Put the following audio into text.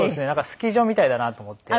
スキー場みたいだなと思って。